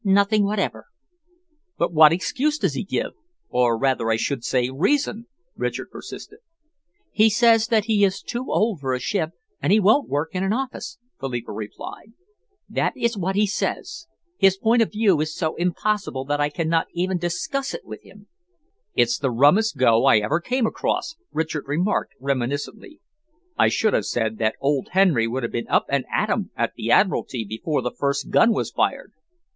"Nothing whatever." "But what excuse does he give or rather I should say reason?" Richard persisted. "He says that he is too old for a ship, and he won't work in an office," Philippa replied. "That is what he says. His point of view is so impossible that I can not even discuss it with him." "It's the rummest go I ever came across," Richard remarked reminiscently. "I should have said that old Henry would have been up and at 'em at the Admiralty before the first gun was fired."